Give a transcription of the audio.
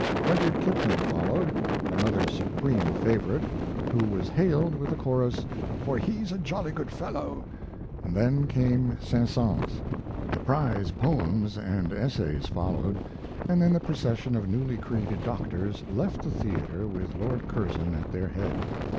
Rudyard Kipling followed another supreme favorite, who was hailed with the chorus, "For he's a jolly good fellow," and then came Saint Satins. The prize poems and essays followed, and then the procession of newly created doctors left the theater with Lord Curzon at their head.